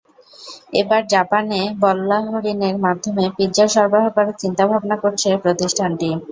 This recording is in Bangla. এবার জাপানে বল্গা হরিণের মাধ্যমে পিৎজা সরবরাহ করার চিন্তাভাবনা করছে প্রতিষ্ঠানটি।